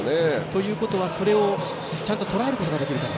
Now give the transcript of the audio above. とういことは、それをちゃんととらえることができると。